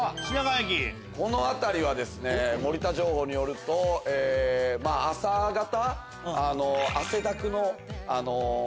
この辺りは森田情報によると朝方。